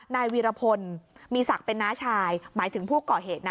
นายวีรพลมีศักดิ์เป็นน้าชายหมายถึงผู้ก่อเหตุนะ